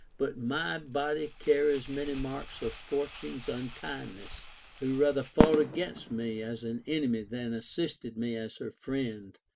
But my body carries many marks of Fortune's unkindness, who rather fought against me as an enemy than assisted me as her friend.